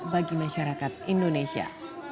bagi masyarakat indonesia